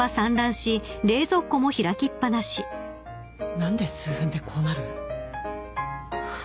・何で数分でこうなる？ハァ。